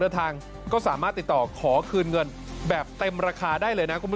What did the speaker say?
ทางก็สามารถติดต่อขอคืนเงินแบบเต็มราคาได้เลยนะคุณผู้ชม